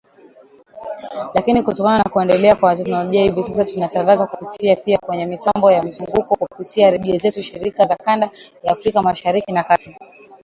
Lakini kutokana na kuendelea kwa teknolojia hivi sasa tunatangaza kupitia pia kwenye mitambo ya mzunguko kupitia redio zetu shirika za kanda ya Afrika Mashariki na Kati